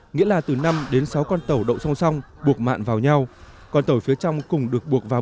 nghĩa là từ năm đến sáu con tàu đậu song song buộc mạn vào nhau còn tàu phía trong cùng được buộc vào